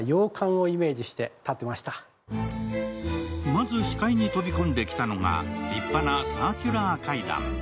まず視界に飛び込んできたのが立派なサーキュラー階段。